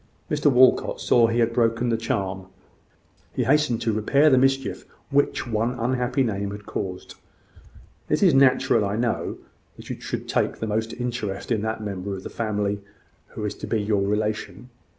Mr Walcot saw that he had broken the charm: he hastened to repair the mischief which one unhappy name had caused. "It is natural, I know, that you should take the most interest in that member of the family who is to be your relation.